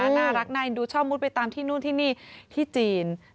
น่ารักในดูชอบมุดไปตามที่นู่นที่นี่ที่จีน